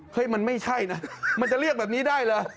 มันไม่ใช่นะมันจะเรียกแบบนี้ได้เหรอ